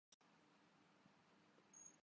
کیا دلچسپی ہوسکتی ہے۔